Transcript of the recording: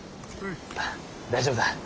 大丈夫だ。